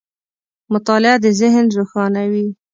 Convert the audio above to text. • مطالعه د ذهن روښانوي.